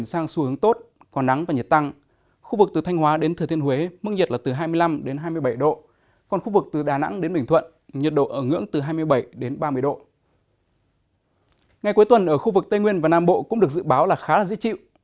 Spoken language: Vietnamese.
ngày cuối tuần ở khu vực tây nguyên và nam bộ cũng được dự báo là khá là dễ chịu